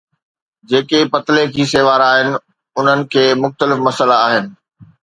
جيڪي پتلي کيسي وارا آهن انهن کي مختلف مسئلا آهن.